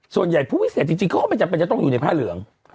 ส่วนใหญ่ผู้วิเศษจริงก็มันจะต้องอยู่ในผ้าเหลือง